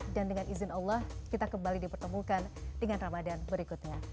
dan dengan izin allah kita kembali dipertemukan dengan ramadan berikutnya